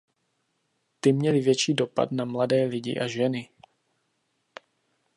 Ty měly větší dopad na mladé lidi a ženy.